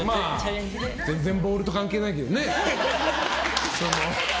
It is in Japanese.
全然ボールと関係ないけどね。